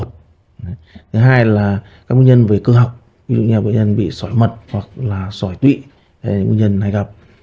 thứ hai là các nguyên nhân về cơ học ví dụ như bệnh nhân bị sỏi mật hoặc là sỏi tụy đây là những nguyên nhân hay gặp